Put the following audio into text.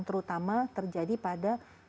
terutama terjadi pada